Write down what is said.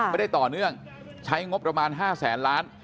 ไม่ได้ต่อเนื่องใช้งบประมาณ๕แสนล้าน